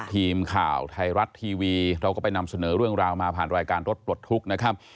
ทีมข่าวไทยรัฐทีวีเราก็ไปนำเสนอเรื่องราวมาผ่านรายการรถปลดทุกข์นะครับ